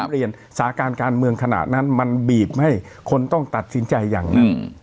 เรียนสาการการเมืองขณะนั้นมันบีบให้คนต้องตัดสินใจอย่างนั้น